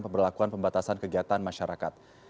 pemberlakuan pembatasan kegiatan masyarakat